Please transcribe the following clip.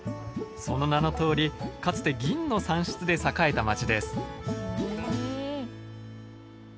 その名のとおりかつて銀の産出で栄えた町です。